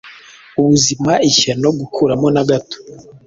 Ubuzima-ishyano gukuramo na gato